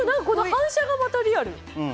反射がまたリアル。